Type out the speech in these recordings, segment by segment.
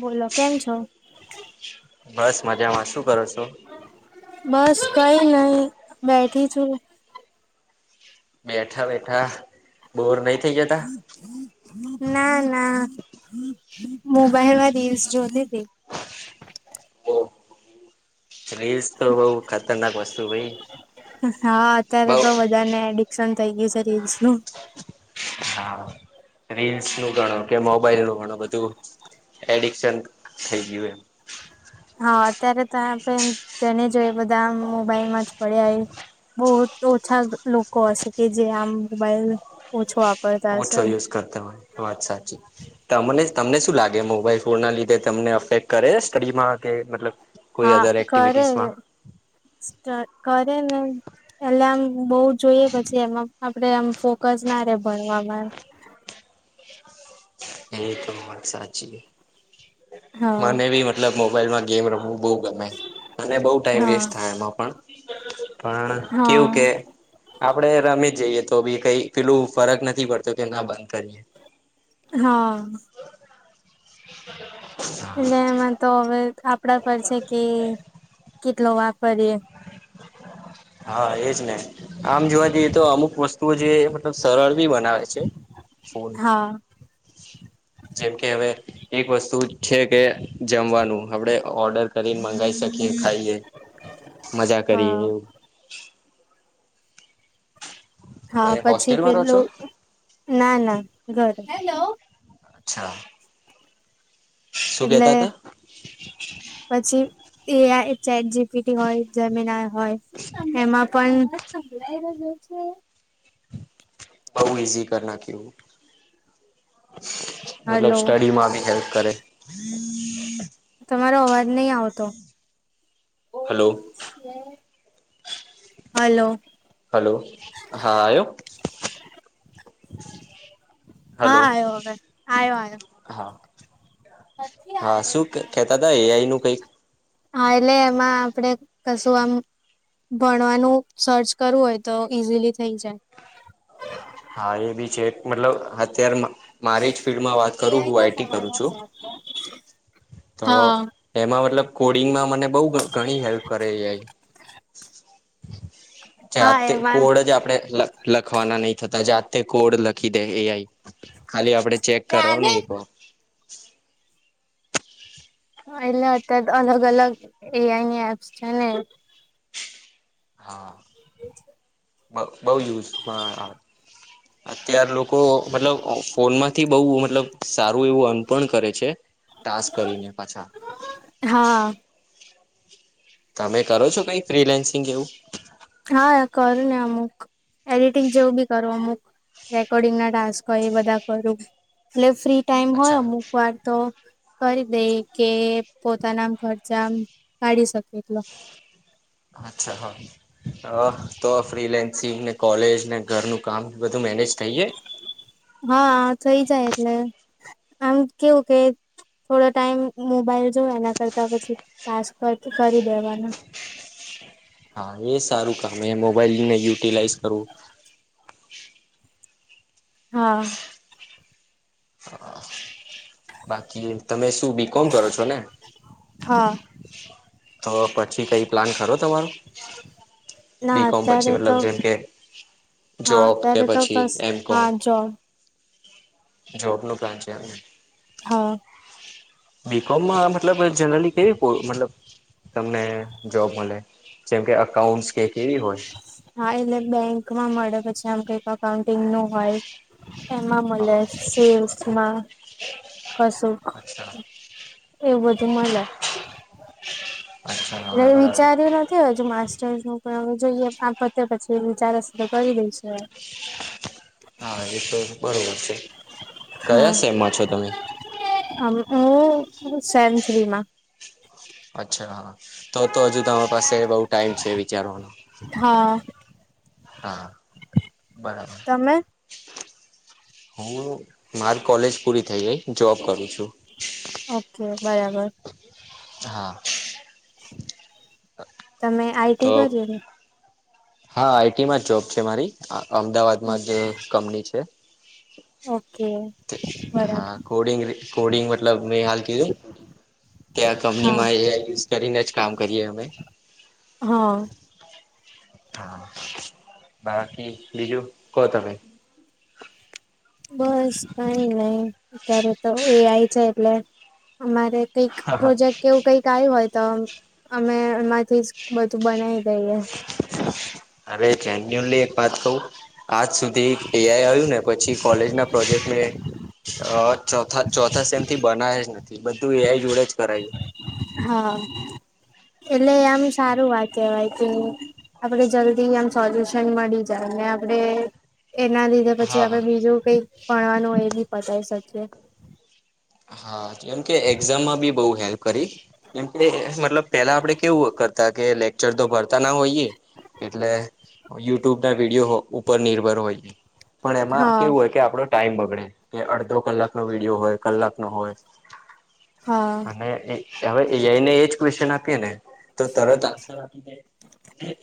બોલો કેમ છો બસ મજામાં શું કરો છો બસ કઈ નહી બેઠી છું બેઠા બેઠા બોર નહી થઇ જતા ના ના મોબાઈલમાં રીલ્સ જોતી તી ઓ રીલ્સ તો બઉ ખતરનાક વસ્તુ ભઈ બઉ થય ગયું છે રિલ્સ નુ હા રીલ્સ નું ગણો કે મોબાઈલ નું ગણો બધું એડિક્શન થઈ ગયું એમ હા અત્યારે ત આપે જેને જો બધા મોબાઈલમાં જ પડ્યા એ બહુ ઓછા લોકો હશે કે જે આમ મોબાઈલ ઓછો આપ ઓછો યુઝ કરતા હોયે વાત સાચી તમને તમને શું લાગે મોબાઈલ ફોન ના લીધે તમને અફેક્ટ કરે સ્ટડીમાં? કે મતલબ કોઈ હા અધર કરે. એક્ટિવિટીસમાં કરે ને એટલે આમ બહુ જોઈએ પછી એમાં આપડે આમ ફોકસ ના રે ભણવામાં. એ તો વાત સાચી હા મને બી મતલબ મોબાઈલમાં ગેમ રમવું બહુ ગમે અને બહુ ટાઈમ હા વેસ્ટ થાય એમાં પણ પણ હા. કેવું કે આપડે રમી જઈએ તો બી કઈ પેલું ફરક નથી પડતો કે ના બંધ કરીએ. હા [unintelligible] ને એમાં તો હવે થા [inaudible] પડશે કે કે [inaudible] વાપરીએ હા એજ ને આમ જોવા જઈએ તો અમુક વસ્ તુ જે મતલબ સરળ બી બનાવે છે, ફૂલ. હા જેમ કે હવે એક વસ્તુ છે કે જમવાનું હવડે ઓર્ડર કરીને મગાવી શક ખાઈએ મજા કરીએ હા એવું હા તમે પછી હોસ્ટેલમાં રહો છો પેલું ના ના ઘર. હેલો. અચ્છા શું એટલે કેતા હતા પછી એ આઈ ચેટ જીપીટી હોય જેમિના હોય એમાં પણ સંભળાયલા [inaudible] છે. બવ ઇસી કરી નાખ્યું. મતલબ હલો સ્ટડીમાં આવી હેલ્પ. કરે. તમારો અવાજ નહી આવતો. ઓ હલો સ્ને હલો હા આયો? હા હલો આયો હવે આયો આયો. હા હા શું કેતા હતા એઆઈ નું કઈક? હા એટલે એમાં આપણેે કશું આમ ભણવાનું સર્ચ કરવું હોય તો ઈઝીલી થઇ જાય. હા એ બી છે મતલબ અત્યારમાં મારી જ ફિલ્ડમાં વાત કરું હું આઈટી કરું છું તો હા એમાં મતલબ કોડિંગમાં મને બઉ ઘણી હેલ્પ કરે એ આઈ હા જાતે એમાં કોડ જ આપડે લખન. વા નહી થતા જાતે કોડ લખી દે એ ખાલી આપણે ચેક કરનું વવા [inaudible] એલે અત્યારે અલગ અલગ એઆઈ ની એપ્સ છે ને. હા. [inaudible] બ બહુ યુઝ હ અત્યાર લોકો મતલબ ફોનમાં જ થી બહુ મતલબ સારું એવું અનપણ કરે છે તાસ કરીને પાછા હા તમે કરો છો કઈ ફ્રીલેન્સિંગ એવું હા કરું ને અમુક એડિટિંગ જેવું બી કરું અમુક રેકોર્ડિંગ ના ટાસ્ક હોય એ બધા કરું એટલે ફ્રી ટાઈમ હોય અચ્છા અમુક વાર તો કરી દે કે પોતાના ખર્ચા કાઢી શકે એટલો અચ્છા હા. હ તો ફ્રીલેન્સિંગ ને કોલેજ ને ઘરનું કામ બધું મેનેજ થઈ જાય. હા થઈ જાય એટલે આમ કેવું કે થોડો ટાઈમ મોબાઈલ જો એના કરતા પછી ટાસ્ક કરી દેવાનો હા એ સારું કામ એ મોબાઈલને યુટિલાઈઝ કરું. હા. [inaudible] બાકી તમે શું બીકોમ કરો છો ને હા તો પછી કઈ પ્લાન કરો તમારો. ના બીકોમ પછી અત્યારે તો મતલબ જેમ કે હા જોબ કે અત્યારે તો પછી બસ એમ કોમ હા જો. જોબ ન પ્લાન છે એમને. હા. બીકોમમાં મતલબ જનરલી કેવીલબ તમને જોબ મળે જેમ કે અઉન્ટ હા એટલે બેંક માં મળે પછી આમ કઈ. [inaudible] નું હોય એમાં મળે હા સેલ્સમાં કશું અચ્છા એવું બધું મળે. અચ્છા હા એટલે બરાબર વિચાર્યું નથી હજુ માસ્ટર્સ નું પણ જોઈએ આમ પતે પછી વિચાર સુધ કરી દઈશું. હા એ તો બરોબર છે કયા સેમમાં છો તમે હ સેન થ્રીમાં. અચ્છા. તો તો હજુ તમારી પાસે બહુ ટાઈમ છે વિચારવાનો હા હા. બરાબર. તમે હું મારી કોલેજ પૂરી થઈ ગઈ જોબ કરું છું. ઓકે બરાબર. હા. તમે આઈટી તો કર્યું ને. હા આઈટીમાં જ જોબ છે મારી. અમદાવાદ ને માં જ કંપની છે. ઓકે બરાબર હા કોડિંગ કોડિંગ મતલબ મેં હાલ કીધું કે આ હા કંપનીમાં એઆઈ યુઝ કરીનેજ કામ કરીએ હમે હા. હા બાકી બીજું કો તમે. બસ કઈ નહી. અત્યારે તો એઆઈ છે એટલે અમારે કઈક પ્રોજેક્ટ કેવું કંઈક આયું હોય. તો અમે એમાંથી જ બધું બનાવી જઈએ અરે જેન્યુનલી એક વાત કવુ આજ સુધી એઆઈ આયું ને પછી કોલેજના પ્રોજેક્ટને અ ચોથા ચોથા સેમથી બનાવે જ નથી બધું એ જોડે જ કરાયું. હા એટલે આમ સારું વાત કેવાય કે આપડે જલ્દી આમ સોલ્યુશન મળી જાય ને આપડે. એના લીધે પછી હા આપડે બીજું કઈ ફાળાનું હોય બી પસાય સખિએ. હા જેમકે એક્ઝામમાં બી બહુ હેલ્પ કરી કેમકે મતલબ પેલા આપડે કેવું કરતા કે લેક્ચર તો ભરતા ના હોઈએ એટલે યુટ્યુબ ના વિડીયો ઉપર નિર્ભર હોઈએ. પણ એમાં હા કેવું હોય કે આપડો ટાઈમ બગડે કે અડધો કલાકનો વિડીયો હોય. કલાક નો હોય. હા અને એ. હવે એઆઈને એ જ ક્વેશ્ચન આપીએે ને તો તરત આન્સર દે ને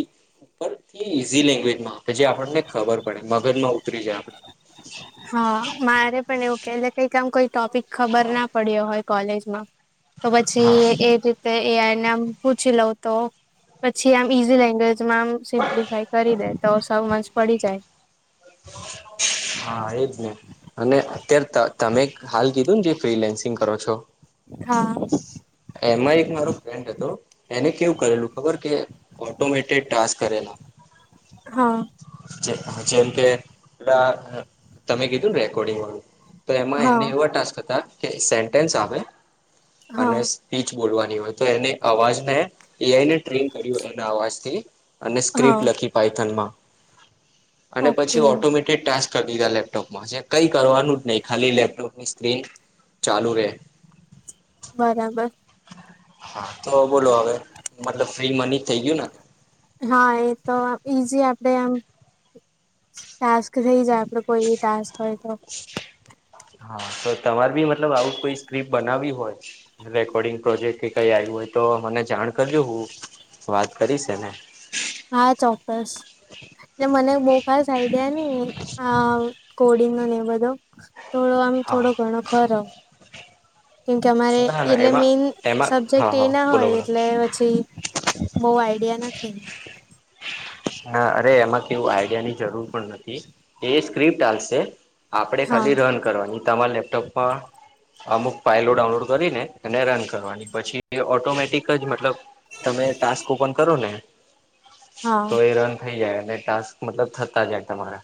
એ ઉપર થી ઈઝી લેંગ્વેજમાં જે આપણને ખબર પડે મગજમાં ઉતરી જાય આપડે. હા મારે પણ એવું કે કઈ કામ કોઈ ટોપિક ખબર ના પડ્યો હોય કોલેજ ના. તો પછી હા એ રીતે એ નેઆમ પૂછી લઉં તો પછી આમ ઈઝી લેંગજ મા સમ્પફાય કરી દે તો પડી જાય. હા એ જ ને અને અત્યારે ત તમે હાલ કીધું ને જે ફ્રીલેન્સિંગ કરો છો હા એમાં એક મારો ફ્રેન્ડ હતો એને કેવું કરેલું ખબર કે ઓટોમેટેડ ટાસ્ક કરેલા હા જે હ ચે કે ર તમે કીધું ને રેકોર્ડિંગ વાળું તો એમાં એને હા એવા ટાસ્ક હતા. કે સેન્ટેન્સ આપે હા અને સ્પીચ બોલવાની હોય તો એને અવાજ ને એઆઈને ટ્રેન કર એના અવાજથી અને હા સ્ક્રિપ્ટ લખી પાાયથન માં અને ઓકે પછી ઓટોમેટેડ ટાસ્ક કરીધા લેપટોપ માં જે કઈ કરવાનું જ નહી ખાલી લેપટોપની સ્ક્રીન ચાલુ રે બરાબર હા તો બોલો હવે મતલબ ફ્રી મની થઈ ગયું ને પડે આમ ટાસ્ક થઈ જા મતલબ કોઈ ડાન્સ હોય તો હા તો તમારે બી મતલબ આવું જ કોઈ સ્ક્રિપ્ટ બનાવવી હોય રેકોર્ડિંગ પ્રોજેક્ટ કે કઈ આવ્યું હોય તો મને જાણ કરજો હું વાત કરીશ એને હા ચોક્કસ એટલે મને બહુ ખાસ નને એ બધો થોડો આમ હા થોડો ઘણો ખરો કેમકે અમારે ના ના એટલે એમાં મેન એમાં સબ્જેક્ટ હા એ હા ના બોલો હોય બોલો એટલે પછી બોવ આ આઈડિયા નથી. હા અરે એમાં કેવું આઈડિયા ની જરૂર પણ નથી એ સ્ક્રિપ્ટ હાલશે આપડે હા ખાલી રન કરવાની તમારા લેપટોપમાં અમુક ફાઈલો ડાઉનલોડ કરીને એને રન કરવાની પછી ઓટોમેટિક જ મતલબ તમે ટાસ્ક ઓપન કરો ને હા તો એ રન થઈ જાય. ને ટાસ્ક મતલબ થતા જાય તમારા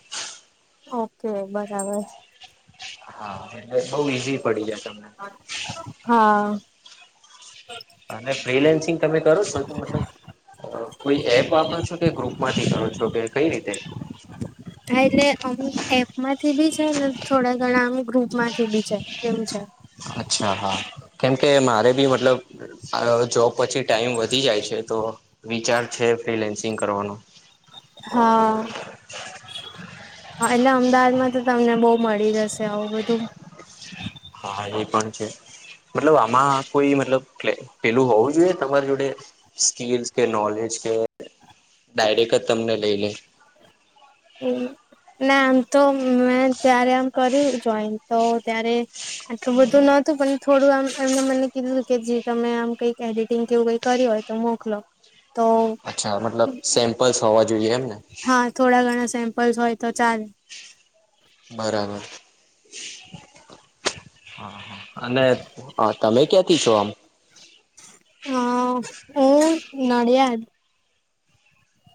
ઓકે બરાબર હા એટલે બઉ ઈઝી પડી જાય તમને હા અને ફિલાન્સિંગ તમે કરો છો તો મતલબ કોઈ એપ વાપરો છો કે ગ્રુપ માંથી કરો છો કે કઈ રીતે હા એટલે અમુક એપમાંથી બી છે ને થોડા ઘણા અમુક ગ્રુપ માંથી બી છે એવું છે. અચ્છા હા કેમકે મારે બી મતલબ જોબ પછી ટાઈમ વધી જાય છે તો વિચાર છે ફ્રીલેન્સિંગ કરવાનો હા હા એટલે અમદાવાદમાં તો તમને બોવ મળી જશે આવું બધું હા એ પણ છે મતલબ આમાં કોઈ મતલબ પેલું હોવું જોઈએ તમારી જોડે સ્કીલસ કે નોલેજ કે ડાયરેક જ તમને લઈ લે ના આમ તો મેં ત્યારે આમ કર્યું જોઈન તો ત્યારે આટલું બધું નતું પણ થોડું આમ એમને મને કીધું કે જે તમે આમ કંઈક એડિટિંગ કેવું કઈ કરીયું હોય તો મોકલો તો અચ્છા મતલબ સેમ્પલ્સ હોવા જોઈએ એમને હા થોડા ઘણા સેમ્પલ્સ હોય તો ચાલે બરાબર હા હા અને હ તમે ક્યા ક્યાંથી છો આમ હા હું નડિયાદ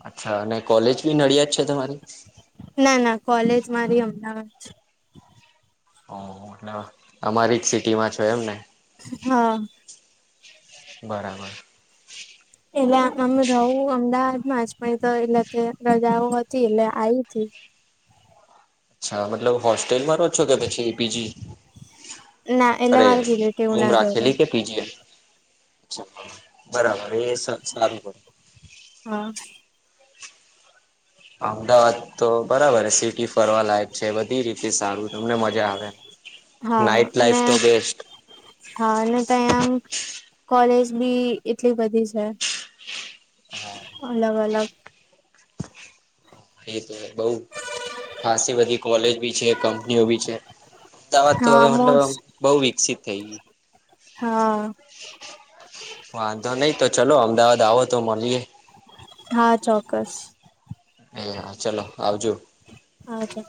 અચ્છા અને કોલેજ બી નડિયાડ જ છે તમારી ના ના કોલેજ મારી અમદાવાદ છે. હ અમારી જ સિટીમાં છો એમ ને હા બરાબર એટલે અમે રહું અમદાવાદમાં જ પણ તો એટલે રજાઓ હતી એટલે આઈ તી અચ્છા મતલબ હોસ ટેલમા રો છો કે પછી પીજી ના એટલે અરે મારા રિલેટિવ રૂમ ના ઘરે રાખેલી કે પીજી એમ બરાબર એ સારું હોત અમદાવાદ તો બરાબર સિટી ફરવા લાયક છે બધી રીત હા નાઈટ અને લાઈફ તો બેસ્ટ હા ત્યાં અમ કોલેજ બી એટલી બધી છે અલગ અલગ એ તો બોવ ખાસી બધી કોલેજ બી છે કંપનીઓ બી છે અમદાવાદ તો હા હવે મતલબ મોસ્ટ બોવ વિકસિત થઈ ગયું હા વાંધો નહી તો ચલો અમદાવાદ આવો તો મલીએ. હા ચોક્કસ [inaudible] ચલો આવજો હા ચોક્કસ